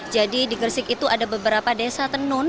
jadi di gresik itu ada beberapa desa tenun